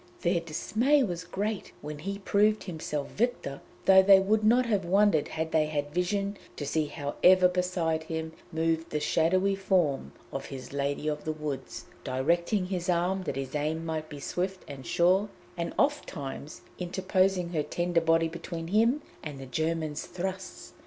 Their dismay was great when he proved himself victor, though they would not have wondered had they had vision to see how ever beside him moved the shadowy form of his Lady of the Woods, directing his arm that his aim might be swift and sure, and oft times interposing her tender body between him and the German's thrusts.